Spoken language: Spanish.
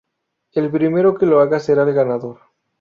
El primero que lo haga será el ganador.